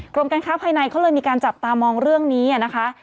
การค้าภายในเขาเลยมีการจับตามองเรื่องนี้นะคะ